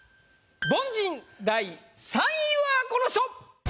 凡人第３位はこの人！